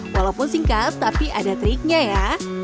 walaupun singkat tapi ada triknya ya